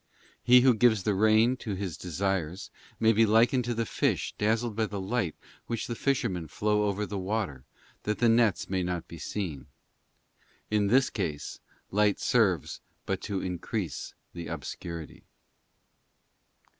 He who gives the rein to his desires may be likened to the fish dazzled by the light which the fishermen throw over the water, that the nets may not be seen: in this case, light serves but to in crease the obscurity.